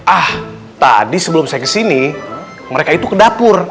ah tadi sebelum saya kesini mereka itu ke dapur